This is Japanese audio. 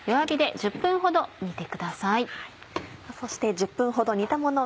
そして１０分ほど煮たもの